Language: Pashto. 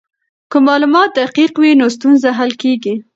که معلومات دقیق وي نو ستونزې حل کیږي.